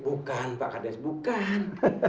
bukan pak kades bukan